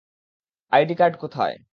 ID card কোথায়?